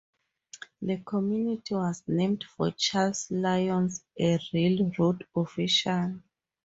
The community was named for Charles Lyons, a railroad official.